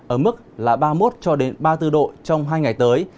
ở mức là ba mươi một cho đến ba mươi bốn độ trong hai ngày tới